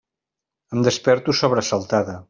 Em desperto sobresaltada.